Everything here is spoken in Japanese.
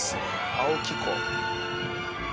青木湖。